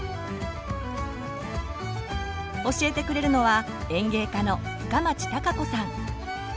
教えてくれるのは園芸家の深町貴子さん。